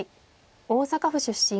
大阪府出身。